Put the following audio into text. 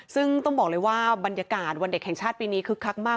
ซึ่งต้องบอกเลยว่าบรรยากาศวันเด็กแห่งชาติปีนี้คึกคักมาก